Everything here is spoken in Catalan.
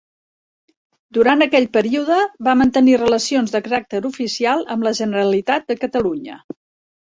Durant aquell període va mantenir relacions de caràcter oficial amb la Generalitat de Catalunya.